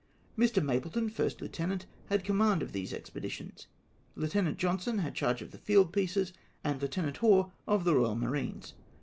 " Mr. MapletoD, first lieutenant, had command of these expeditions. Lieutenant Johnson had charge of the field pieces, and Lieutenant Hore of the Eoyal Marines.